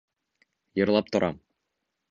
Йырлап тора.